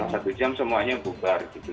satu jam semuanya bubar gitu